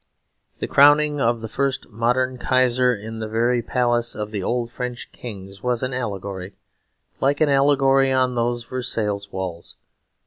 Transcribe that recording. The crowning of the first modern Kaiser in the very palace of the old French kings was an allegory; like an allegory on those Versailles walls.